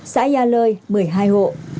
xã gia lơi một mươi hai hộ